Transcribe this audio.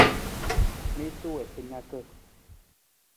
Miisa wii sa naka.